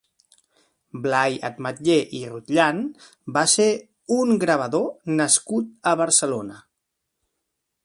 Blai Ametller i Rotllan va ser un gravador nascut a Barcelona.